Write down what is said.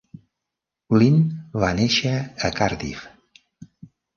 Lyn va néixer a Cardiff.